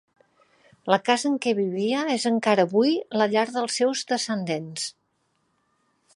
La casa en què vivia és encara avui la llar dels seus descendents.